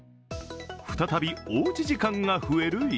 再びおうち時間が増える